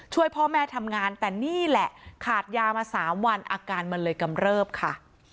ช่วยพ่อแม่ทำงานแต่นี่แหละขาดยามา๓วันอาการมันเลยกำเริบค่ะ